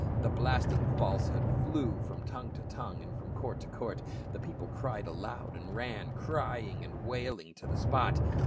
The blasting falsehood flew from tongue to tongue and from court to court ; the people cried aloud and ran crying and wailing to the spot.